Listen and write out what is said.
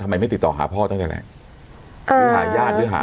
ไม่ติดต่อหาพ่อตั้งแต่แรกหรือหาญาติหรือหา